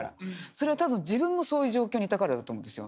それは多分自分もそういう状況にいたからだと思うんですよ。